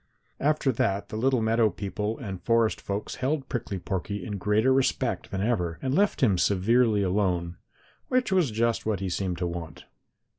After that the little meadow people and forest folks held Prickly Porky in greater respect than ever and left him severely alone, which was just what he seemed to want.